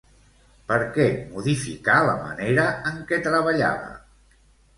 Per què modificà la manera en què treballava?